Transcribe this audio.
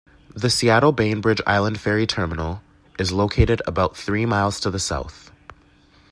The Seattle-Bainbridge Island ferry terminal is located about three miles to the south.